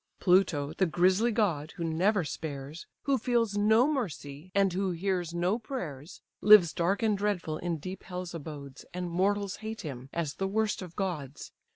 Pluto, the grisly god, who never spares, Who feels no mercy, and who hears no prayers, Lives dark and dreadful in deep hell's abodes, And mortals hate him, as the worst of gods.